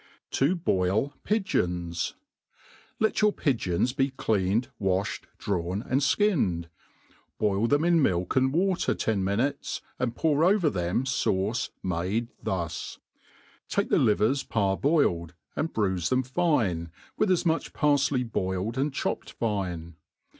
« To boil Pigeons* LtiT your pigeons be cleaned, wafhed, drawn, and flcinned. Boil them in milk and water ten minutes, and pour over them fauce made thus : take the livers parboiled, "and bruife them fine, with as much parfley boiled and chopped fine.